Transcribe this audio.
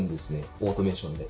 オートメーションで。